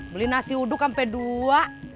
beli nasi uduk sampai dua